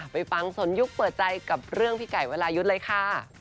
ไปฟังสนยุคเปิดใจกับเรื่องพี่ไก่วรายุทธ์เลยค่ะ